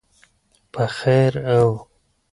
په خیر او